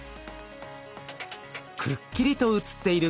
くっきりと写っている